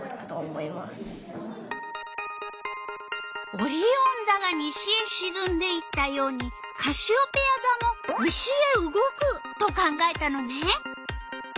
オリオンざが西へしずんでいったようにカシオペヤざも西へ動くと考えたのね。